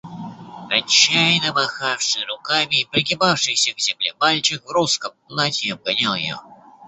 Отчаянно махавший руками и пригибавшийся к земле мальчик в русском платье обгонял ее.